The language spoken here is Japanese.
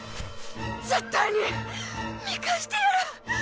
絶対に見返してやる。